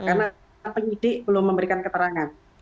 karena penyidik belum memberikan keterangan